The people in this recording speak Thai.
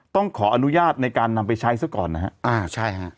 ต้องขออนุญาตในการนำไปใช้ซะก่อนนะครับ